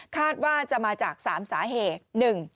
คาดว่าจะมาจาก๓สาเหตุ